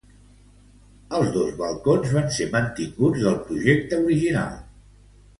Els dos balcons van ser mantinguts del projecte original.